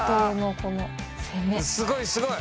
すごいすごい！